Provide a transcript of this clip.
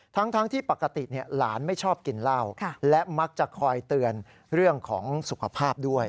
ทั้งที่ปกติหลานไม่ชอบกินเหล้าและมักจะคอยเตือนเรื่องของสุขภาพด้วย